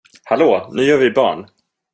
Hallå, nu gör vi barn!